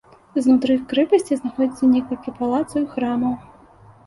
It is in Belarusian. Знутры крэпасці знаходзяцца некалькі палацаў і храмаў.